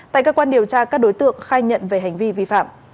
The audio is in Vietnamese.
tại cơ quan điều tra các đối tượng khai nhận về hành vi vi phạm